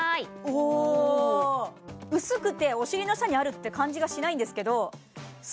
おおおお薄くてお尻の下にあるって感じがしないんですけど